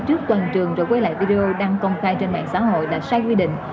trước toàn trường rồi quay lại video đăng công khai trên mạng xã hội là sai quy định